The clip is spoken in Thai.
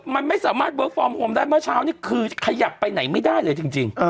มันไม่สามารถเวิร์คฟอร์มโฮมได้เมื่อเช้านี้คือขยับไปไหนไม่ได้เลยจริง